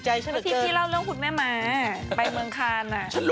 ที่พี่เล่าเรื่องคุณแม่ม้าไปเมืองคาน